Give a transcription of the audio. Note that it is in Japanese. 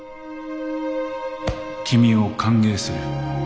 ．君を歓迎する。